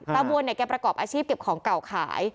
วนเนี่ยแกประกอบอาชีพเก็บของเก่าขาย